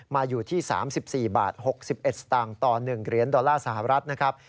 อยู่ที่๓๔บาท๖๑สตางค์ต่อ๑เหรียญดอลลาร์สหรัฐนะครับ